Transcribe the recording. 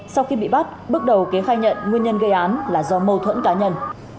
sau khi bị bắt bước đầu kế khai nhận nguyên nhân gây án là do mâu thuẫn cá nhân